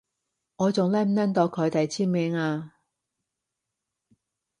我仲拎唔拎到佢哋簽名啊？